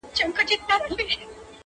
خلوت پر شخصيت د عبادت له مينې ژاړي_